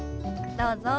どうぞ。